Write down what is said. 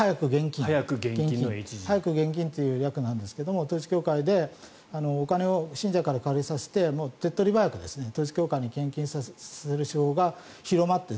早く現金という略なんですけれど統一教会でお金を信者から借りさせて手っ取り早く統一教会に献金する手法が広まって。